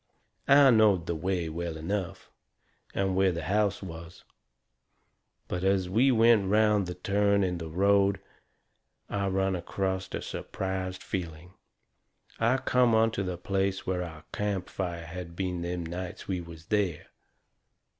I knowed the way well enough, and where the house was, but as we went around the turn in the road I run acrost a surprised feeling. I come onto the place where our campfire had been them nights we was there.